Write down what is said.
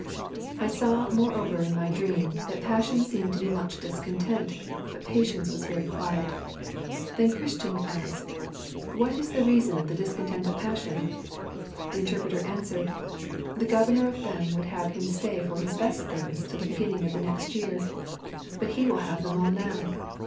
'I saw moreover in my dream that Passion seemed to be much discontent, but Patience was very quiet. Then Christian asked, What is the reason of the discontent of Passion? The Interpreter answered, The governor of them would have him stay for his best things till the beginning of the next year; but he will have them all now.